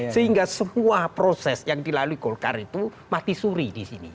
sehingga semua proses yang dilalui golkar itu mati suri di sini